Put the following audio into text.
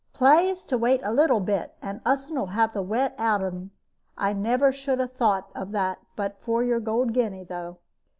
Plaise to wait a little bit, and us 'll have the wet out of un. I never should 'a thought of that but for your gold guinea, though."